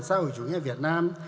xã hội chủ nghĩa việt nam